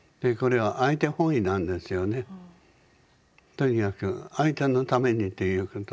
とにかく相手のためにということ。